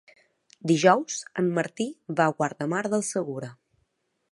Dijous en Martí va a Guardamar del Segura.